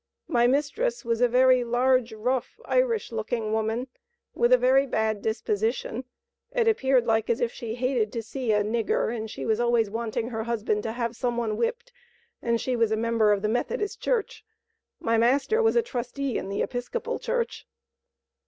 "My mistress was a very large, rough, Irish looking woman, with a very bad disposition; it appeared like as if she hated to see a 'nigger,' and she was always wanting her husband to have some one whipped, and she was a member of the Methodist Church. My master was a trustee in the Episcopal Church."